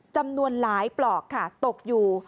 จำนวนหลายปลอกค่ะตกอยู่